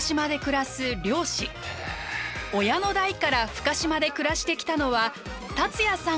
親の代から深島で暮らしてきたのは達也さん